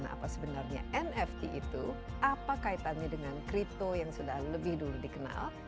apa sebenarnya nft itu apa kaitannya dengan kripto yang sudah lebih dulu dikenal